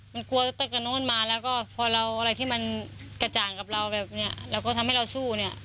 มันกลัวตะกะโน้นมาแล้วก็พออะไรที่มันกระจ่างกับเราแล้วก็ทำให้เราสู้